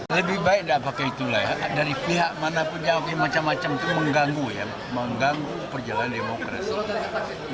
lebih baik tidak pakai itulah ya dari pihak manapun jawabnya macam macam itu mengganggu ya mengganggu perjalanan demokrasi